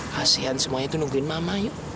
kasian semuanya itu nungguin mama yuk